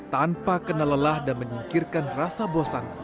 tanpa kena lelah dan menyingkirkan rasa bosan